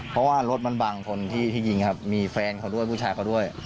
เพราะว่ารถมันบางคนที่ยิงครับมีแฟนเขาด้วยผู้ชายเขาด้วย